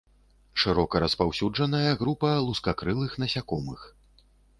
Шырока распаўсюджаная група лускакрылых насякомых.